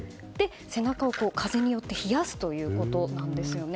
背中を風によって冷すということなんですよね。